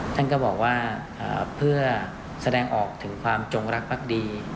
ท่านก็บอกว่าเพื่อแสดงออกถึงความจงรักภักดี